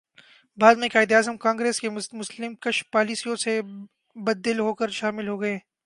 بعد میں قائداعظم کانگریس کی مسلم کش پالیسیوں سے بددل ہوکر شامل ہوگئے